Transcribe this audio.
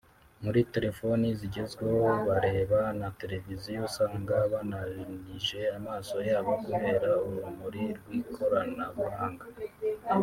muri telefoni zigezweho bareba na televiziyo usanga bananije amaso yabo kubera urumuri rw’ikoranabuhanga